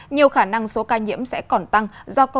nhiều khả năng số ca nhiễm sẽ còn tăng